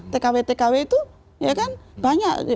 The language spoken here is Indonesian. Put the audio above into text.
tkw tkw itu ya kan banyak